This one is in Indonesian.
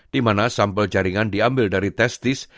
dimana sampel jaringan diambil dari testis